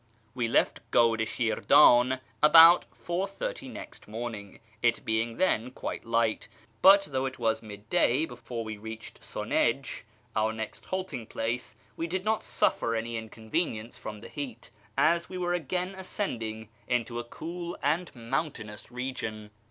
AVe left God i Shirdan about 4.30 next morning, it being then quite light ; but though it was midday before we reached Sunij, our next halting place, w^e did not suffer any incon \ FROM SH/rAZ to YEZD 357 venience from the heat, as we were again ascending into a cool and mountainous region.